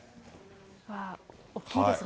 わー、大きいですね。